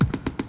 ya udah yaudah